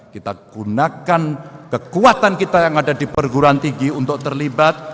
kita gunakan kekuatan kita yang ada di perguruan tinggi untuk terlibat